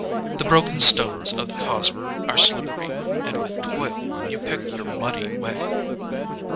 The broken stones of the causeway are slippery, and with toil you pick your muddy way.